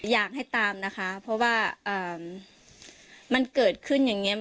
อยากให้ตามนะคะเพราะว่ามันเกิดขึ้นอย่างนี้